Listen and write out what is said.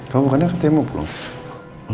kalau bukannya aku mau pulang